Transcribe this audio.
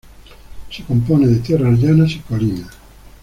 Se compone de tierras llanas y colinas.